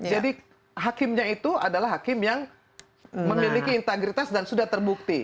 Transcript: jadi hakimnya itu adalah hakim yang memiliki integritas dan sudah terbukti